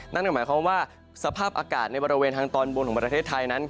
นั่นก็หมายความว่าสภาพอากาศในบริเวณทางตอนบนของประเทศไทยนั้น